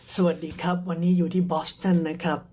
สวัสดีครับวันนี้อยู่ที่บอสตันนะครับ